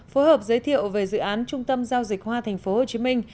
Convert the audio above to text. phối hợp giới thiệu về dự án trung tâm giao dịch hoa tp hcm